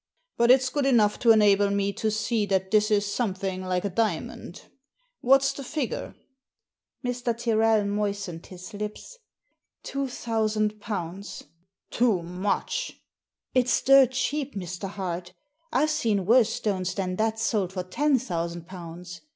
But it's good enough to enable me to see that this is something like a diamond. What's the figure ?" Mr. Tyrrel moistened his lips. Two thousand pounds." "Too much 1" " It's dirt cheap, Mr. Hart I've seen worse stones than that sold for ten thousand pounds.